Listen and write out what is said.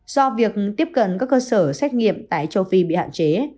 do việc tiếp cận các cơ sở xét nghiệm tại châu phi bị hạn chế